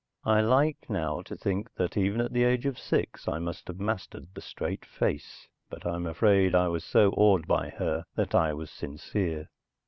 I like now to think that even at the age of six I must have mastered the straight face, but I'm afraid I was so awed by her that I was sincere.